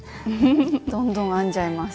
どんどん編んじゃいます。